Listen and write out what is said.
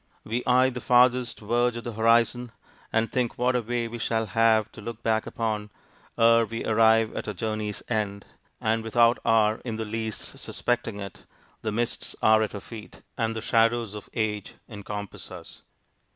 We eye the farthest verge of the horizon, and think what a way we shall have to look back upon, ere we arrive at our journey's end; and without our in the least suspecting it, the mists are at our feet, and the shadows of age encompass us.